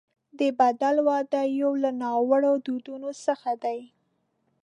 د بدل واده یو له ناوړه دودونو څخه دی.